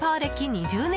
２０年